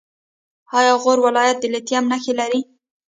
آیا غور ولایت د لیتیم نښې لري؟